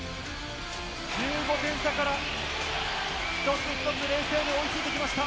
１５点差から一つ一つ冷静に追いついてきました。